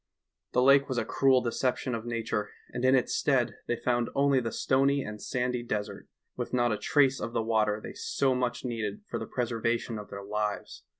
The lake was a cruel deception of nature, and in its stead they found only the stony and sandy desert, with not a trace of the water they so much needed for the pres ervation of their lives.